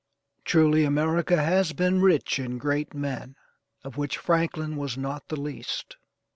Truly, America has been rich in great men, of which Franklin was not the least.